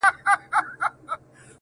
زخمي زړه مي په غمو د جانان زېر سو-